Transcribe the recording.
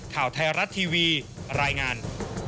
ข่าวไทยรัฐทีวีรายงาน